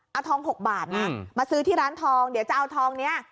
เอาทอง๖บาทนะมาซื้อที่ร้านทองเดี๋ยวจะเอาทองนี้